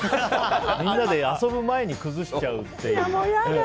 みんなで遊ぶ前に崩しちゃうっていうね。